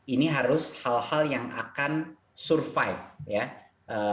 ini harus hal hal yang akan survive